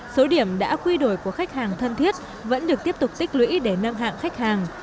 số điểm đã quy đổi của khách hàng thân thiết vẫn được tiếp tục tích lũy để nâng hạng khách hàng